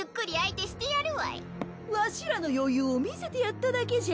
わしらの余裕を見せてやっただけじゃ。